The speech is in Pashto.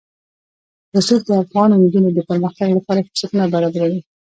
رسوب د افغان نجونو د پرمختګ لپاره فرصتونه برابروي.